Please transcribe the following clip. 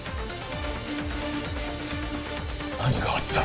何があった？